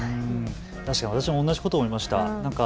確かに私も同じことを思いました。